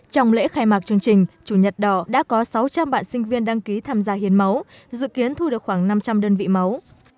trong lễ khai mạc chương trình chủ nhật đỏ đã có sáu trăm linh bạn sinh viên đăng ký tham gia hiến máu dự kiến thu được khoảng năm trăm linh đơn vị máu